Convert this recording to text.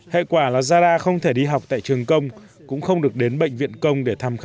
hệ quả là zahra không thể đi học tại trường công cũng không được đến bệnh viện